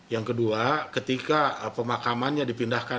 yang kedua ketika pemakamannya dipindahkan